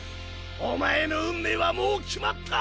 お前の運命はもう決まった！